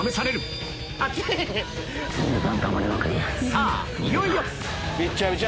さぁいよいよ！